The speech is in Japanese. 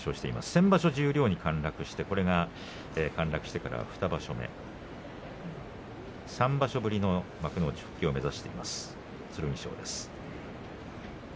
先場所、十両に陥落してこれが陥落してから２場所目３場所ぶりの幕内復帰を目指しています剣翔です。